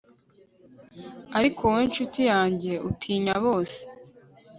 Ariko wowe nshuti yanjye utinya bose